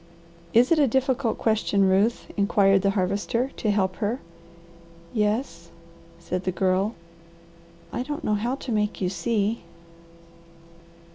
"Is it a difficult question, Ruth?" inquired the Harvester to help her. "Yes," said the Girl. "I don't know how to make you see."